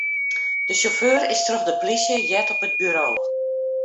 De sjauffeur is troch de polysje heard op it buro.